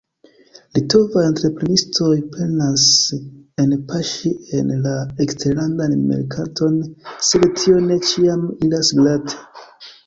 Litovaj entreprenistoj penas enpaŝi en la eksterlandan merkaton, sed tio ne ĉiam iras glate.